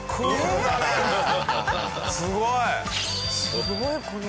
すごいこの。